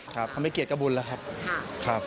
เขาไม่เกียจกระบุญครับ